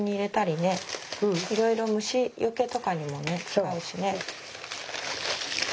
いろいろ虫よけとかにもね使うしね。